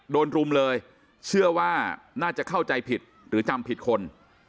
รุมเลยเชื่อว่าน่าจะเข้าใจผิดหรือจำผิดคน